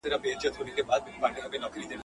نور یې « آیة » بولي زه یې بولم «مُنانۍ»..